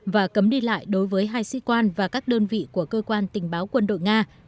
và cấm đi lại đối với hai sĩ quan và các đơn vị của cơ quan tình báo quân đội nga